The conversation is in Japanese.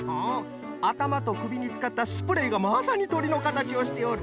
あたまとくびにつかったスプレーがまさにとりのかたちをしておる。